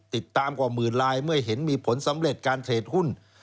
ติดตามกว่าหมื่นลายเมื่อเห็นมีผลสำเร็จการเทรดหุ้น